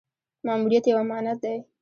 ماموریت یو امانت دی